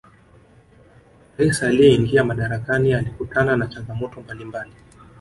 raisi aliyeingia madarakani alikutana na changamoto mbalimbali